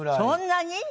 そんなに？